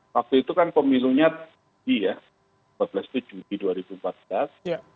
waktu itu kan pemilunya dua belas juni dua ribu empat belas